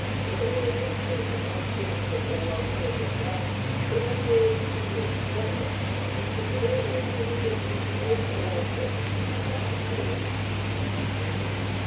これに対して海口市の公安当局が公共秩序を乱したということでこの女性と友人を公安機関に５日間拘留ということです。